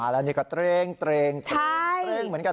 มาแล้วนี่ก็เตรงเตรงเตรงเตรงเตรงเหมือนกัน